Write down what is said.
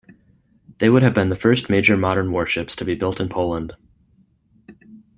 They would have been the first major modern warships to be built in Poland.